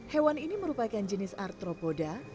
hewan ini merupakan jenis artropoda